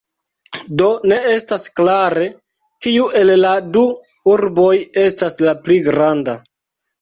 Do ne estas klare, kiu el la du urboj estas la pli granda.